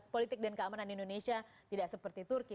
politik dan keamanan di indonesia tidak seperti turki